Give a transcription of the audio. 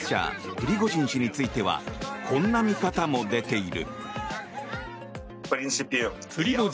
プリゴジン氏についてはこんな見方も出ている。